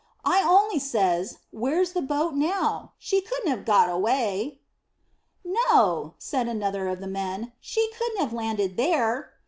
I only says, Where's the boat now? She couldn't have got away." "No," said another of the men. "She couldn't have landed there."